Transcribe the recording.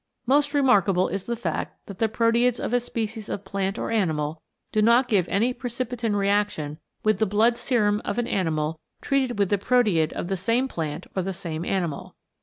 Most remarkable is the fact that the proteids of a species of plant or animal do not give any precipitin reaction with the blood serum of an animal treated with the proteid of the same plant or the same animal.